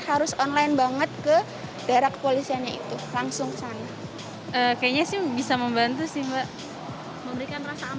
harus online banget ke daerah kepolisian yaitu langsung sana kayaknya sih bisa membantu sih mbak